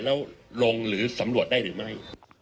แล้วลงหรือสำรวจได้หรือไม่